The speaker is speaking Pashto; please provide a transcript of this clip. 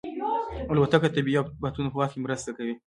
الوتکه د طبیعي افتونو په وخت مرسته کوي.